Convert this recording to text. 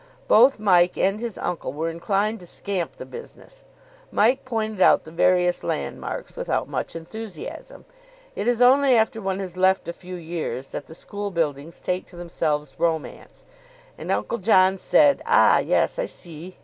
Both Mike and his uncle were inclined to scamp the business. Mike pointed out the various landmarks without much enthusiasm it is only after one has left a few years that the school buildings take to themselves romance and Uncle John said, "Ah yes, I see.